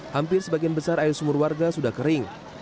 hampir sebagian besar air sumur warga sudah kering